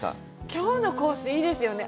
きょうのコースいいですよね。